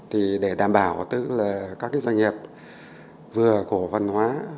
thì để đảm bảo tức là các cái doanh nghiệp vừa cổ văn hóa